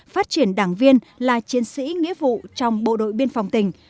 phát triển đảng viên là chiến sĩ nghĩa vụ trong bộ đội biên phòng tỉnh